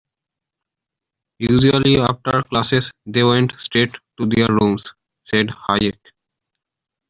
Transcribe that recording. Usually, after classes, they went straight to their rooms, said Hayk.